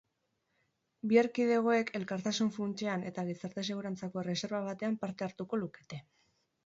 Bi erkidegoek elkartasun funtsean eta gizarte segurantzako erreserba batean parte hartuko lukete.